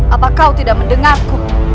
apa kau tidak mendengarku